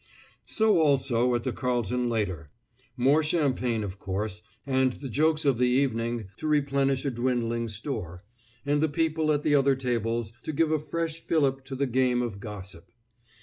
So also at the Carlton later; more champagne, of course, and the jokes of the evening to replenish a dwindling store, and the people at the other tables to give a fresh fillip to the game of gossip.